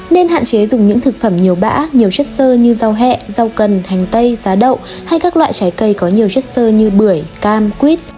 nên hạn chế dùng những thực phẩm nhiều bã nhiều chất sơ như rau hẹ rau cần hành tây giá đậu hay các loại trái cây có nhiều chất sơ như bưởi cam quýt